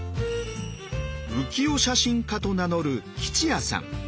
浮世写真家と名乗る喜千也さん。